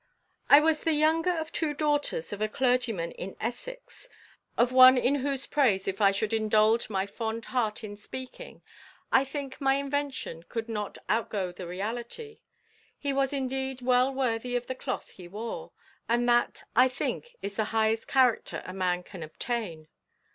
_ "I was the younger of two daughters of a clergyman in Essex; of one in whose praise if I should indulge my fond heart in speaking, I think my invention could not outgo the reality. He was indeed well worthy of the cloth he wore; and that, I think, is the highest character a man can obtain.